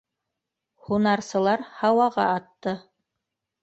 Һунарсылар һауаға атты.